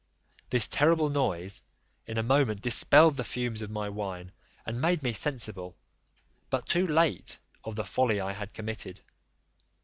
This terrible noise in a moment dispelled the fumes of my wine, and made me sensible, but too late, of the folly I had committed.